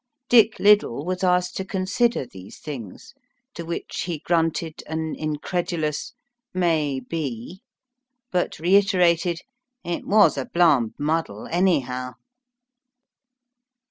Dick Liddil was asked to consider these things, to which he grunted an incredulous ^' Maybe," but reiterated —" It was a blarmed muddle, anyhow."